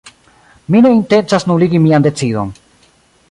Mi ne intencas nuligi mian decidon.